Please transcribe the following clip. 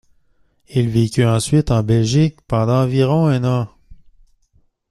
Il vécut ensuite en Belgique pendant environ un an.